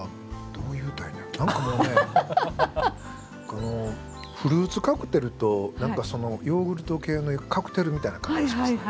このフルーツカクテルと何かそのヨーグルト系のカクテルみたいな感じしますね。